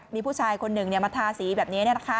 มีผู้ชายคนหนึ่งมาทาสีแบบนี้